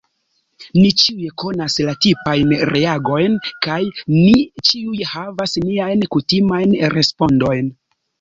Ni ĉiuj konas la tipajn reagojn, kaj ni ĉiuj havas niajn kutimajn respondojn.